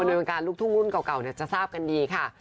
ในวงการลูกทุ่งรุ่นเก่าจะทราบกันดีค่ะ